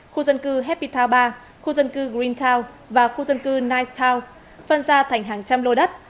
khu dân cư happy town ba khu dân cư green town và khu dân cư nice town phân ra thành hàng trăm lô đất